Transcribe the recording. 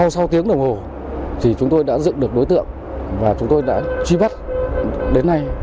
sau sáu tiếng đồng hồ chúng tôi đã dựng được đối tượng và chúng tôi đã truy bắt đến nay